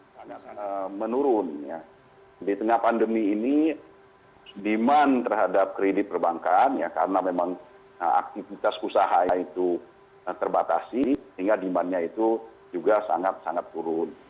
sangat menurun di tengah pandemi ini demand terhadap kredit perbankan ya karena memang aktivitas usaha itu terbatasi sehingga demandnya itu juga sangat sangat turun